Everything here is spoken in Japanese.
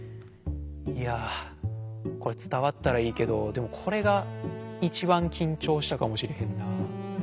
いやこれつたわったらいいけどでもこれがいちばんきんちょうしたかもしれへんな。